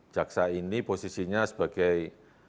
jaksa ini posisinya sebagai